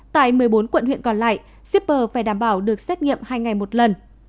tại một mươi bốn quận huyện còn lại shipper phải đảm bảo được xét nghiệm hai ngày một lần